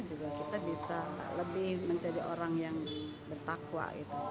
juga kita bisa lebih menjadi orang yang bertakwa